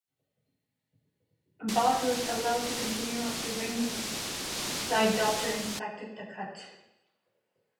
The bout was allowed to continue after the ringside doctor inspected the cut.